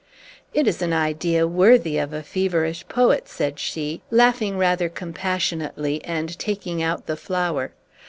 "It is an idea worthy of a feverish poet," said she, laughing rather compassionately, and taking out the flower.